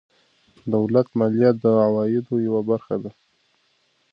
دولت مالیه د عوایدو یوه برخه ده.